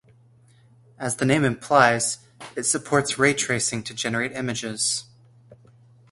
As the name implies, it supports ray tracing to generate images.